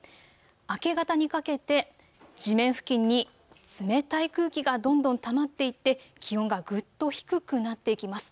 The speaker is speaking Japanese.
明け方にかけて地面付近に冷たい空気がどんどんたまっていって気温がぐっと低くなっていきます。